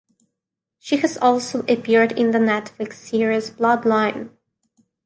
She has also appeared in the Netflix series "Bloodline".